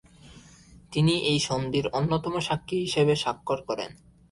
তিনি এই সন্ধির অন্যতম সাক্ষী হিসেবে স্বাক্ষর করেন।